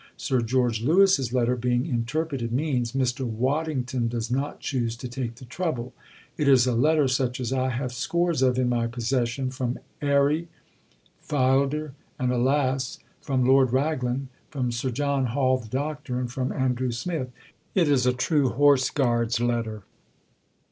Sir George Lewis's letter, being interpreted, means: "Mr. Waddington does not choose to take the trouble." It is a letter such as I have scores of in my possession, from Airey, Filder, and alas! from Lord Raglan, from Sir John Hall (the doctor) and from Andrew Smith. It is a true "Horse Guards" letter.